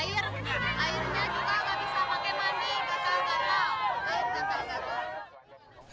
air gak akan bau